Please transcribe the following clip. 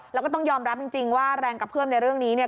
แล้วก็ต้องยอมรับจริงว่าแรงกระเพื่อมในเรื่องนี้เนี่ย